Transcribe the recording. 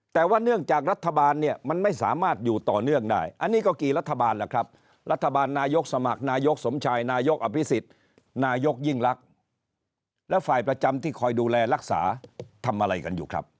แต่ว่าเนื่องจากรัฐบาลเนี่ยมันไม่สามารถอยู่ต่อเนื่องได้อันนี้ก็กี่รัฐบาลล่ะครับรัฐบาลนายกสมัครนายกสมชายนายกอภิษฎนายกยิ่งรักและฝ่ายประจำที่คอยดูแลรักษาทำอะไรกันอยู่ครับ